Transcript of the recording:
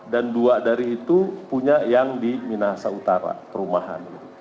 dan dua dari itu punya yang di minahasa utara perumahan